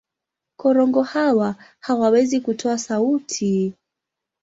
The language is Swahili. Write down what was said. Korongo hawa hawawezi kutoa sauti.